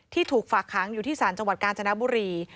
ถูกฝากค้างอยู่ที่ศาลจังหวัดกาญจนบุรี